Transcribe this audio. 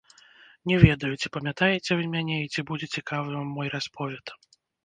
Не ведаю, ці памятаеце вы мяне і ці будзе цікавы вам мой расповед.